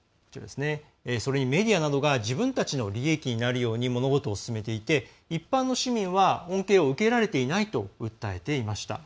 それにメディアなどが自分たちの利益になるように物事を進めていて、一般の市民は恩恵を受けられていないと訴えていました。